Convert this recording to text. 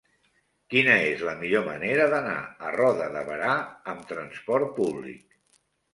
Quina és la millor manera d'anar a Roda de Berà amb trasport públic?